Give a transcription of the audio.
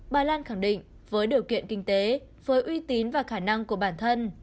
bà lan khẳng định với điều kiện kinh tế với uy tín và khả năng của bản thân